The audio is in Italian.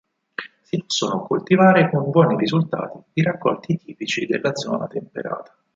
Si possono coltivare con buoni risultati i raccolti tipici della zona temperata.